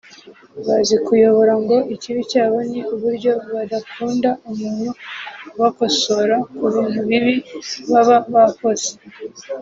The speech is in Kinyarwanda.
Bazi kuyobora ngo ikibi cyabo ni uburyo badakunda umuntu ubakosora ku bintu bibi baba bakoze